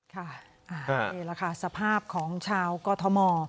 นี่แหละค่ะสภาพของชาวกอทม